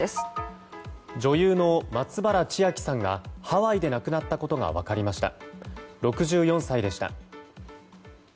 女優の松原千明さんがハワイで亡くなったことが分かりました。